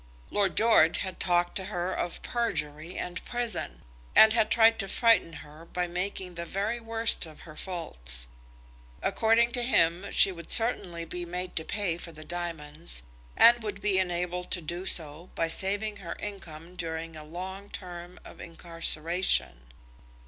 Lord George had talked to her of perjury and prison, and had tried to frighten her by making the very worst of her faults. According to him she would certainly be made to pay for the diamonds, and would be enabled to do so by saving her income during a long term of incarceration.